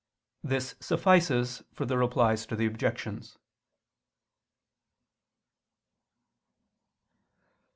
This suffices for the Replies to the Objections.